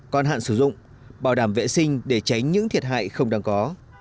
còn hạn sử dụng bảo đảm vệ sinh để tránh những thiệt hại không đáng có